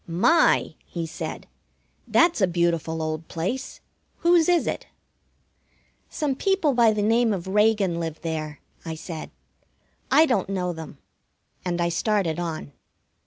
"My!" he said, "that's a beautiful old place! Whose is it?" "Some people by the name of Reagan live there," I said. "I don't know them." And I started on.